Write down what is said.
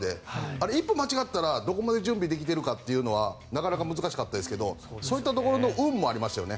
あれ一歩間違っていたらどこまで準備できてるかっていうのはなかなか難しかったですがそういったところの運もありましたよね。